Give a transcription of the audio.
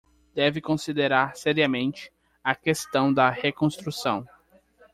Deve considerar seriamente a questão da reconstrução